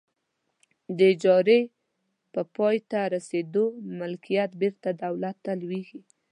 د اجارې په پای ته رسیدو ملکیت بیرته دولت ته لویږي.